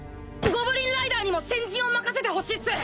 ゴブリンライダーにも先陣を任せてほしいっす！